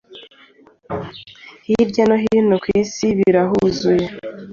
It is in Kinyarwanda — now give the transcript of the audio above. hirya no hino kwisi birahuzuye